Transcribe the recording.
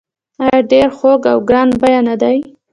آیا ډیر خوږ او ګران بیه نه دي؟